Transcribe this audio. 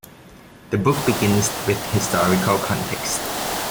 The book begins with historical context.